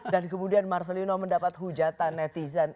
dan kemudian marcelino mendapat hujatan netizen